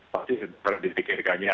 pasti sudah pernah dipikirkannya